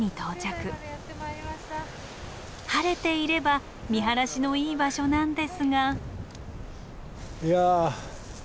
晴れていれば見晴らしのいい場所なんですが。